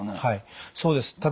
はいそうです。